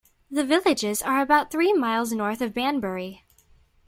The villages are about three miles north of Banbury.